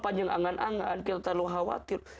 panjang angan angan kita terlalu khawatir